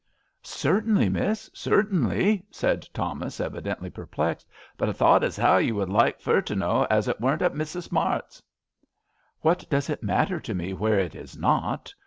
" Certainly, Miss, certainly," said Thomas, evidently perplexed ;" but I thought as 'ow you would like fur to know as it weren't at Mrs. Smart's," i 13S A RAINY DAY. " What does it matter to me where it is not